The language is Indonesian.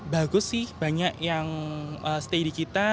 bagus sih banyak yang stay di kita